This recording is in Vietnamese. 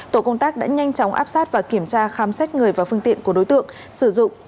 tổ công tác đã nhanh chóng áp sát và kiểm tra khám xét người và phương tiện của đối tượng sử dụng